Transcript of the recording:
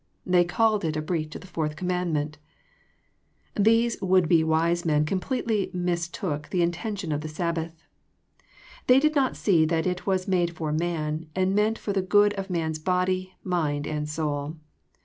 They called it a breach of the Fourth Command ment I These would be wise men completely mistook the inten tion of the Sabbath. They did not see that it was '' made for man/' and meant for the good of man's body, mind, and soul.